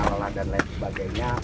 semalalah dan lain sebagainya